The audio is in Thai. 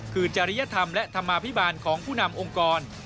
คือจริยธรรมและธรรมาภิบาลของผู้นำองค์กร